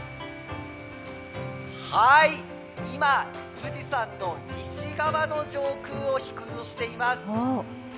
今、富士山の西側の上空を飛空しています。